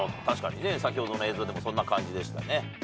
確かにね先ほどの映像でもそんな感じでしたね。